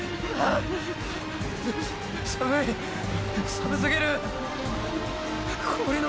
寒過ぎる。